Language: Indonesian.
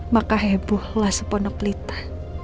maka hebuhlah seponeplita